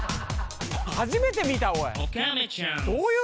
初めて見たおい。